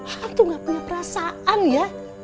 akang tuh nggak punya perasaan ya